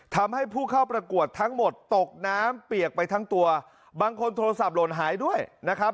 ทำให้ผู้เข้าประกวดทั้งหมดตกน้ำเปียกไปทั้งตัวบางคนโทรศัพท์หล่นหายด้วยนะครับ